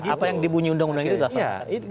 apa yang dibunyi undang undang itu